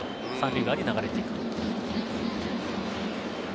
３塁側に流れて行く。